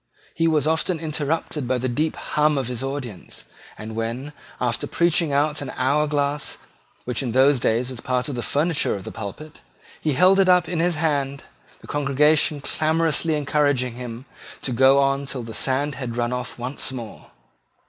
He was often interrupted by the deep hum of his audience; and when, after preaching out the hour glass, which in those days was part of the furniture of the pulpit, he held it up in his hand, the congregation clamorously encouraged him to go on till the sand had run off once more.